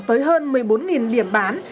tới hơn một mươi bốn điểm bán